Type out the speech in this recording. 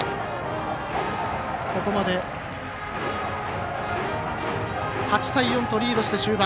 ここまで８対４とリードした、終盤。